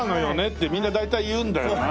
ってみんな大体言うんだよな。